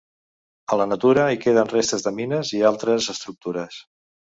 A la natura hi queden restes de mines i altres estructures.